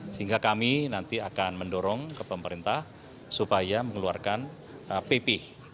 sehingga kami nanti akan mendorong ke pemerintah supaya mengeluarkan pp